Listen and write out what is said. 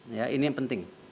ini yang penting